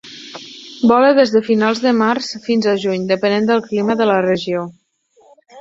Vola des de finals de març fins a juny, depenent del clima de la regió.